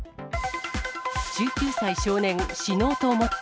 １９歳少年、死のうと思った。